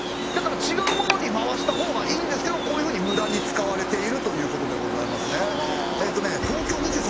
だから違うものに回した方がいいんですけどこういうふうに無駄に使われているという事でございますね。